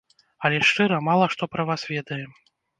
Але, шчыра, мала што пра вас ведаем.